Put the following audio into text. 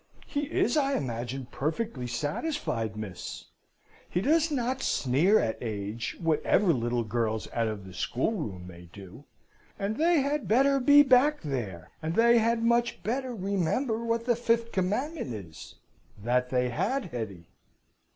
He is, I imagine, perfectly satisfied, miss. He does not sneer at age, whatever little girls out of the schoolroom may do. And they had much better be back there, and they had much better remember what the fifth commandment is that they had, Hetty!"